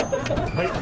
はい。